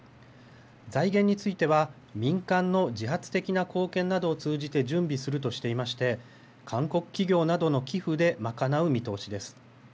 財源については民間の自発的な貢献などを通じて準備するとしていまして韓国企業などの寄付で賄う見通しです。